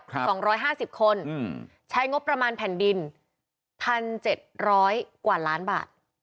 สองร้อยห้าสิบคนอืมใช้งบประมาณแผ่นดินพันเจ็ดร้อยกว่าล้านบาท